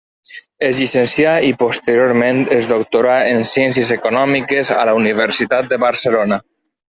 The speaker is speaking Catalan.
Es llicencià i posteriorment es doctorà en Ciències Econòmiques a la Universitat de Barcelona.